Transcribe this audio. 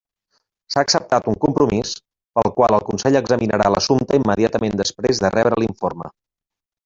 S'ha acceptat un compromís, pel qual el Consell examinarà l'assumpte immediatament després de rebre l'informe.